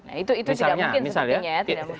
nah itu tidak mungkin sebetulnya